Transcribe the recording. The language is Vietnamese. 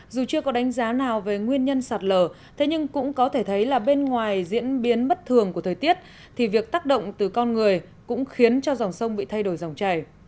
dù chưa có đánh giá nào về nguyên nhân sạt lở thế nhưng cũng có thể thấy là bên ngoài diễn biến bất thường của thời tiết thì việc tác động từ con người cũng khiến cho dòng sông bị thay đổi dòng chảy